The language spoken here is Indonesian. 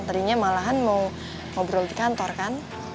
tadinya malahan mau ngobrol di kantor kan